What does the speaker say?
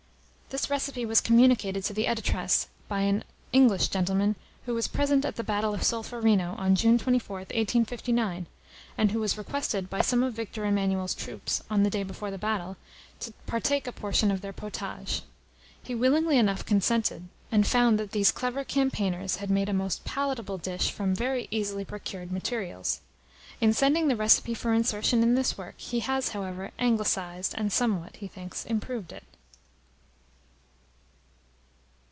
This recipe was communicated to the Editress by an English gentleman, who was present at the battle of Solferino, on June 24, 1859, and who was requested by some of Victor Emmanuel's troops, on the day before the battle, to partake of a portion of their potage. He willingly enough consented, and found that these clever campaigners had made a most palatable dish from very easily procured materials. In sending the recipe for insertion in this work, he has, however, Anglicised, and somewhat, he thinks, improved it.